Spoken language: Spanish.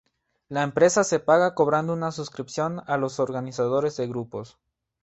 La empresa se paga cobrando una suscripción a los organizadores de grupos.